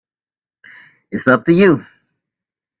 It's up to you.